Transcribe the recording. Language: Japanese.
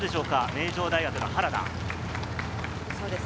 名城大学の原田。